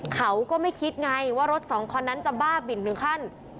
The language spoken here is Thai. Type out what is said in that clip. เขาก็ไม่คิดไงว่ารถสองคันนั้นจะบ้าบินถึงขั้น